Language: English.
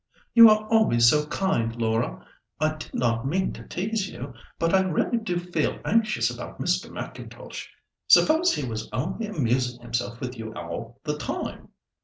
"You are always so kind, Laura. I did not mean to tease you, but I really do feel anxious about Mr. M'Intosh. Suppose he was only amusing himself with you all the time!"